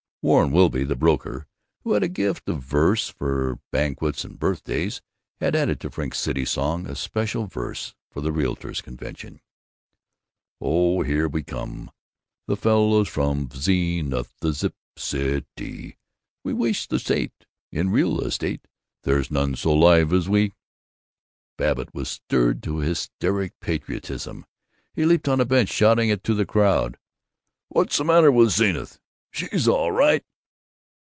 Warren Whitby, the broker, who had a gift of verse for banquets and birthdays, had added to Frink's City Song a special verse for the realtors' convention: Oh, here we come, The fellows from Zenith, the Zip Citee. We wish to state In real estate There's none so live as we. Babbitt was stirred to hysteric patriotism. He leaped on a bench, shouting to the crowd: "What's the matter with Zenith?" "She's all right!"